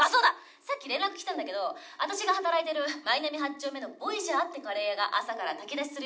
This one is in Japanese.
さっき連絡来たんだけど私が働いてる舞波８丁目のボイジャーってカレー屋が朝から炊き出しする